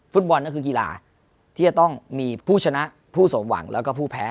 ฟุตบอลก็คือกีฬาที่จะต้องมีผู้ชนะผู้สมหวังแล้วก็ผู้แพ้